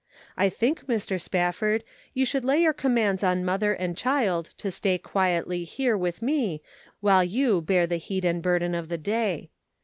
I think, Mr. Spafford, you should lay your commands on mother and child to stay quietly here with me while you bear the heat and burden of the day.